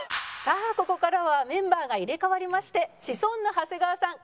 さあここからはメンバーが入れ替わりましてシソンヌ長谷川さん